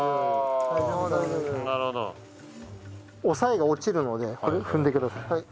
押さえが落ちるので踏んでください。